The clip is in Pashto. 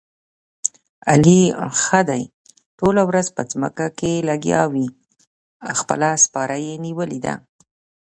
علي ښه دې ټوله ورځ په ځمکه کې لګیاوي، خپله سپاره یې نیولې ده.